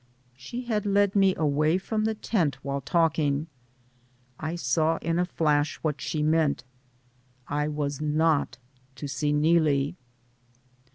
She had led me away from the tent while talking. I saw in a flash what she meant. I was not to see Neelie.